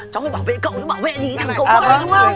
cháu mới bảo vệ cậu chứ bảo vệ gì thì cậu phải đúng không